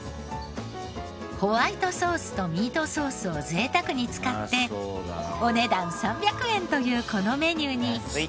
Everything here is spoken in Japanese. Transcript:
ホワイトソースとミートソースを贅沢に使ってお値段３００円というこのメニューに。